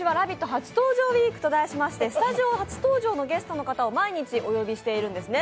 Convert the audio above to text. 初登場ウィーク」と題しましてスタジオ初登場のゲストの方を毎日お呼びしているんですね。